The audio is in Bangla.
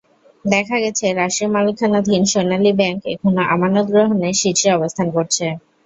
দেখা গেছে, রাষ্ট্রমালিকানাধীন সোনালী ব্যাংক এখনো আমানত গ্রহণে শীর্ষে অবস্থান করছে।